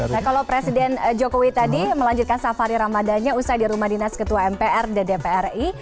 nah kalau presiden jokowi tadi melanjutkan safari ramadannya usai di rumah dinas ketua mpr dan dpr ri